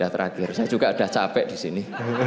terakhir saya juga sudah capek di sini